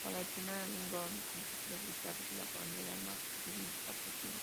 Para el primer álbum, Grohl compuso las guitarras de la manera más rítmica posible.